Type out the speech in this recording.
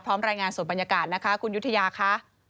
พร้อมรายงานส่วนบรรยากาศนะคะคุณยุทยาค่ะ